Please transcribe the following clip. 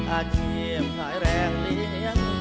อาเกียรติภายแรงเลี้ยงกาย